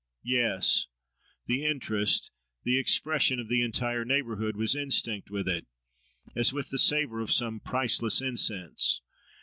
Yes! the interest, the expression, of the entire neighbourhood was instinct with it, as with the savour of some priceless incense.